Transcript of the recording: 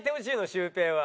シュウペイは。